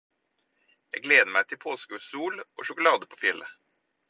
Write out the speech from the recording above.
Jeg gleder meg til påskesol og sjokolade på fjellet